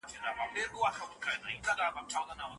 د پیچلو کلمو له کارولو څخه په کلکه ډډه وکړئ.